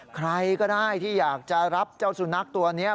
ใครก็ได้ที่อยากจะรับเจ้าสุนัขตัวนี้